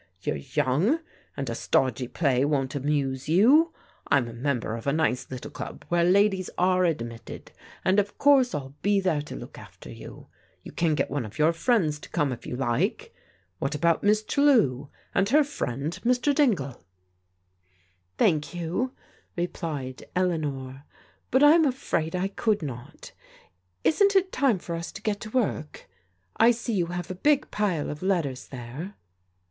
You're young, and a stodgy play won't amuse you. I'm a member of a nice little club where ladies are admitted, and of course I'll be there to look after you. You can get one of your friends to come with you if you like. What about Miss Chellew and her friend Mr. Dingle ?"" Thank you," replied Eleanor, " but I'm afraid I could not. Isn't it time for us to get to work? I see you have a big pile of letters there."